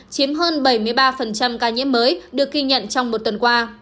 chiếm hơn bảy mươi ba ca nhiễm mới được ghi nhận trong một tuần qua